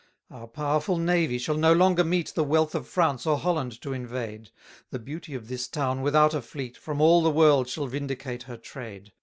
301 Our powerful navy shall no longer meet, The wealth of France or Holland to invade; The beauty of this town without a fleet, From all the world shall vindicate her trade.